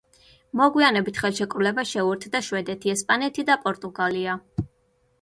მოგვიანებით ხელშეკრულებას შეუერთდა შვედეთი, ესპანეთი და პორტუგალია.